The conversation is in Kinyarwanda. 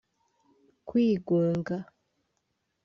kwigunga